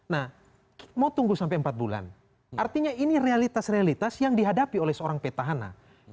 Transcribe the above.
nah mau tunggu sampai empat bulan artinya ini realitas realitas yang dihadapi oleh seorang petahana